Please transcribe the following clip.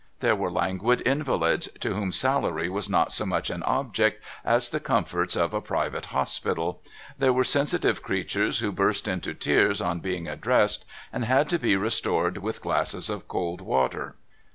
There were languid invalids, to whom salary was not so much an object as the comforts of a private hospital. There were sensitive creatures who burst into tears on being addressed, and had to be restored with glasses of cold water.